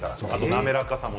滑らかさも。